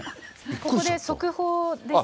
ここで速報です。